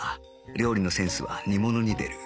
料理のセンスは煮物に出る